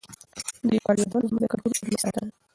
د لیکوالو یادونه زموږ د کلتوري شتمنۍ ساتنه ده.